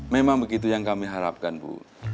memang begitu yang kami harapkan bu